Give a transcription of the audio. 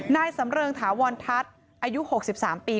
นายสำเริงธาวัณฑัฏอายุ๖๓ปี